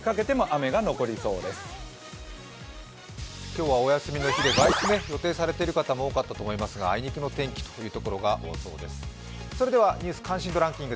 今日はお休みの日で外出を予定されている方も多かったと思いますが、あいにくの天気という所が多そうです。